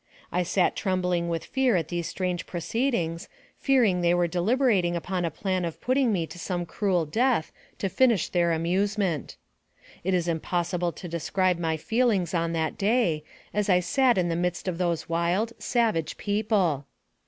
I sat trembling with fear at these strange proceedings, fearing they were deliberating upon a plan of putting me to some cruel death to finish their amusement. It is impossible to describe my feelings on that day, as I sat in the midst of those wild, savage people.